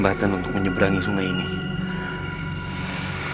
tapi ambo sudah semakin kritis